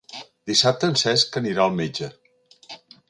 Dissabte en Cesc anirà al metge.